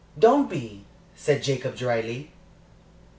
"Don't be," said Jacob, dryly.